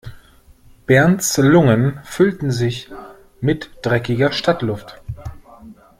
Bernds Lungen füllten sich mit dreckiger Stadtluft.